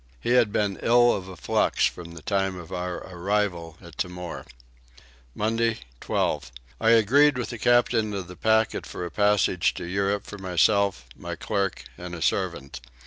He had been ill of a flux from the time of our arrival at Timor. Monday 12. I agreed with the captain of the packet for a passage to Europe for myself, my clerk, and a servant.